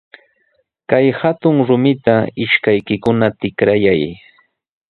Kay hatun rumita ishkaykikuna tikrayay.